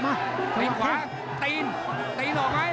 ดูไขวางตีนตีนออกไว้